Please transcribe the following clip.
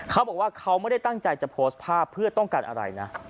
เขาบอกว่าเขาไม่ได้ตั้งใจจะโพสต์ภาพเพื่อต้องการอะไรนะ